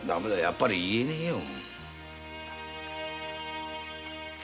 やっぱり言えねぇよ。